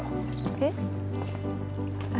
えっ？